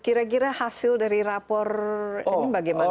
kira kira hasil dari rapor ini bagaimana